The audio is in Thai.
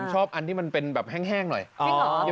ชอบอันที่มันเป็นแบบแห้งหน่อย